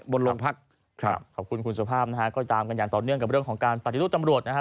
บนโรงพักครับขอบคุณคุณสุภาพนะฮะก็ตามกันอย่างต่อเนื่องกับเรื่องของการปฏิรูปตำรวจนะครับ